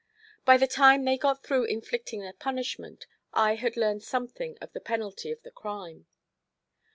By the time they got through inflicting their punishment I had learned something of the penalty of the crime.